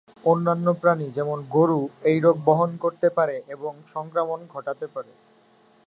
অন্যান্য প্রাণী, যেমন গরু, এই রোগ বহন করতে পারে এবং সংক্রমণ ঘটাতে পারে।